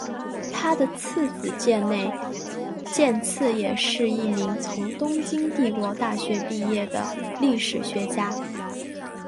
他的次子箭内健次也是一名从东京帝国大学毕业的历史学家。